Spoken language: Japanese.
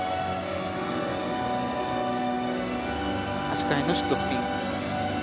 足換えのシットスピン。